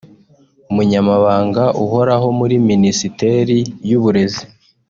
Umunyamabanga uhoraho muri Minisiteri y’Uburezi